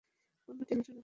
কোনো টেনশন আছে?